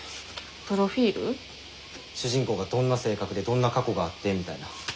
主人公がどんな性格でどんな過去があってみたいな。